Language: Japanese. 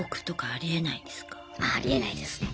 ああありえないですね。